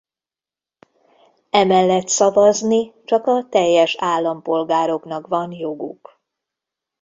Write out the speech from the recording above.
Emellett szavazni csak a teljes állampolgároknak van joguk.